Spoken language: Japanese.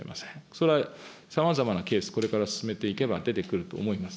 それはさまざまなケース、これから進めていけば出てくると思います。